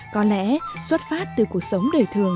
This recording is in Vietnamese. có lẽ xuất phát từ cuộc sống đời thường